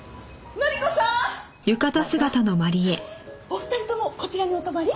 お二人ともこちらにお泊まり？